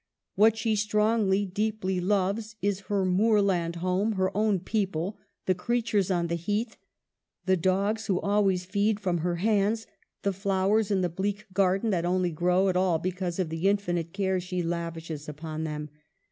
What she strongly, deeply loves is her moorland home, her own people, the creatures on the heath, the dogs who always feed from her hands, the flowers in the bleak garden that only grow at all because of the infinite care she lavishes upon them.